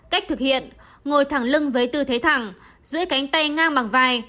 cách thực hiện ngồi thẳng lưng với tư thế thẳng dưới cánh tay ngang bằng vai